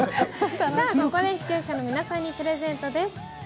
ここで視聴者の皆さんにプレゼントです。